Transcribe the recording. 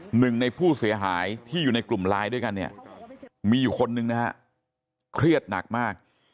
หนึ่งในผู้เสียหายที่อยู่ในกลุ่มไลน์ด้วยกันเนี่ยมีอยู่คนนึงนะฮะเครียดหนักมาก